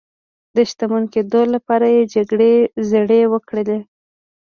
د شتمن کېدو لپاره یې د جګړې زړي وکرل.